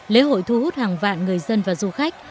lễ hội thu hút hàng vạn người dân và du khách